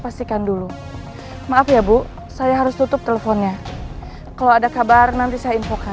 pastikan dulu maaf ya bu saya harus tutup teleponnya kalau ada kabar nanti saya cv an oke makasih ya bu